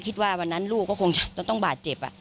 คิดว่าวันนั้นลูกก็คงจะต้องบาดเจ็บ